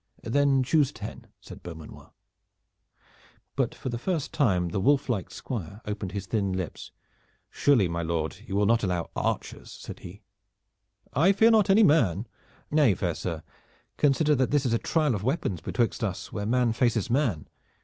"Then choose ten," said Beaumanoir. But for the first time the wolf like squire opened his thin lips. "Surely, my lord, you will not allow archers," said he. "I fear not any man." "Nay, fair sir, consider that this is a trial of weapons betwixt us where man faces man.